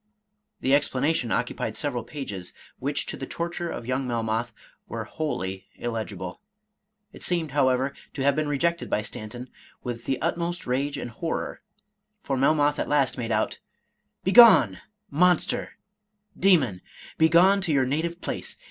The explanation occupied several pages, which, to the torture of young Melmoth, were wholly illegible. It seemed, however, to have been rejected by Stanton with the utmost rage and horror, for Melmoth at last made out, —" Begone, monster, demon !— begone to your native place.